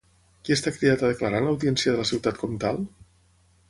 Qui està cridat a declarar en l'Audiència de la ciutat comtal?